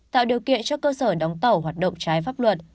tạo điều kiện cho cơ sở đóng tàu hoạt động trái pháp luật